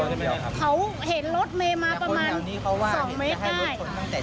แล้วเราไม่ทันเรารถใหญ่เราลีกไม่ทัน